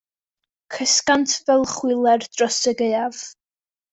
Cysgant fel chwiler dros y gaeaf.